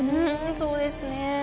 そうですね。